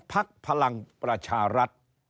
ภักดิ์พลังประชารัฐ